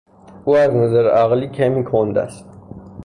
او از نظر عقلی کمی کند است.